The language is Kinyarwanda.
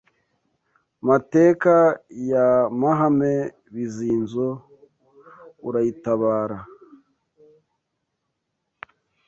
Mateka ya Mahame Bizinzo urayitabara